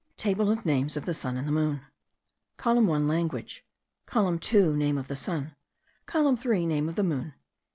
TABLE OF NAMES OF THE SUN AND THE MOON. COLUMN 1 : LANGUAGE. COLUMN 2 : NAME OF THE SUN. COLUMN 3 : NAME OF THE MOON.